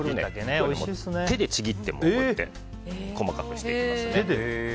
手でちぎって細かくしていきます。